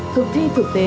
thực thi thực tế